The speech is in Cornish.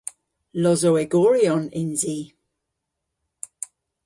Losowegoryon yns i.